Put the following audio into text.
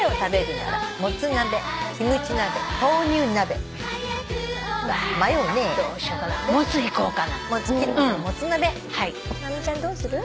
直美ちゃんどうする？